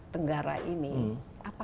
tenggara ini apa